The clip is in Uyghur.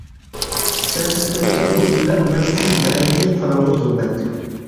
سەنسىز ئۆتكەن بۇ كۈنلەر مەن ئۈچۈن بەئەينى قاراڭغۇ زۇلمەت.